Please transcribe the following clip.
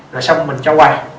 rồi xong mình cho qua